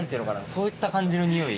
そういった感じのニオイ。